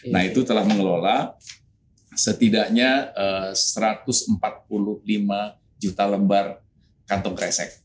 nah itu telah mengelola setidaknya satu ratus empat puluh lima juta lembar kantong kresek